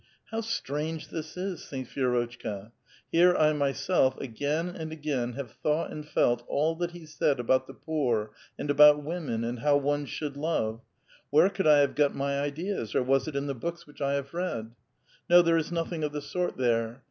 '' How strange this is," thinks Vierotehka ;" here I myself, agrain and aijain have thousfht and felt all that he said about the poor and about women and how one should love. Where could I have got my ideas, or Avas it in the books which I have read? No; there is nothing of the sort there.